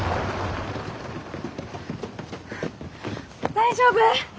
大丈夫？